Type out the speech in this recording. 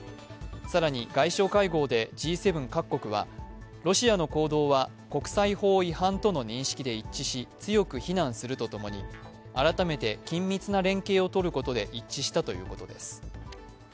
更に外相会合でＧ７各国は、ロシアの行動は国際法違反との認識で一致し、強く非難するとともに改めて緊密な連携をとることで一致したということです。